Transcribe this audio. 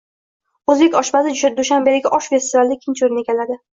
O‘zbek oshpazi Dushanbedagi osh festivalida ikkinchi o‘rinni egallading